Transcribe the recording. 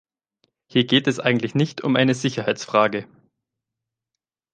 Hier geht es eigentlich nicht um eine Sicherheitsfrage.